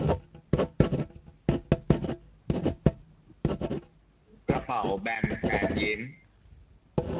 กระเป๋าแบนแฟนยิ้ม